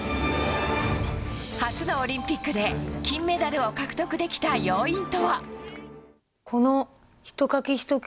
初のオリンピックで金メダルを獲得できた要因とは？